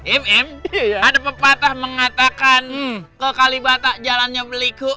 im im ada pepatah mengatakan kekalibata jalannya beliku